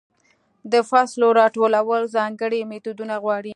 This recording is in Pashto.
د فصلو راټولول ځانګړې میتودونه غواړي.